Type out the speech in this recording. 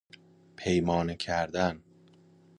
پیمانه کردن